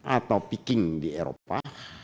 atau peaking di eropa